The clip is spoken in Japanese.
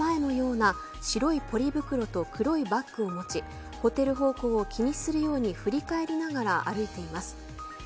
しかし、事件前のような白いポリ袋と黒いバッグを持ちホテル方向を気にするように振り返りながら歩いています。